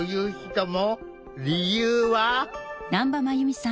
理由は？